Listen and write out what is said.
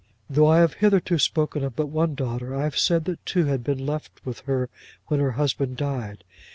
Though I have hitherto spoken but of one daughter, I have said that two had been left with her when her husband died.